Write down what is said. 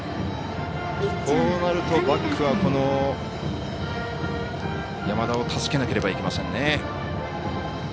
こうなるとバックは山田を助けなければいけませんね。